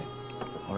あれ？